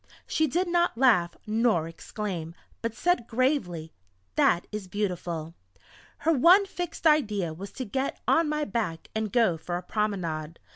She did not laugh nor exclaim, but said gravely: "That is beautiful!" Her one fixed idea was to get on my back and go for a promenade.